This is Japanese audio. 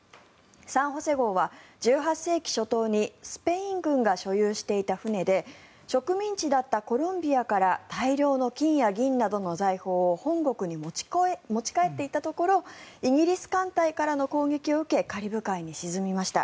「サン・ホセ号」は１８世紀初頭にスペイン軍が所有していた船で植民地だったコロンビアから大量の金や銀などの財宝を本国に持ち帰っていたところイギリス艦隊からの攻撃を受けカリブ海に沈みました。